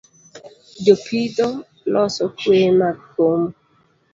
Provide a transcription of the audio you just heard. Jopitho loso kweye mag komo